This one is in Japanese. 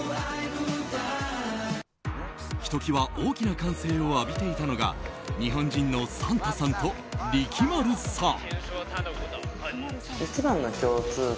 ひときわ大きな歓声を浴びていたのが日本人の賛多さんと力丸さん。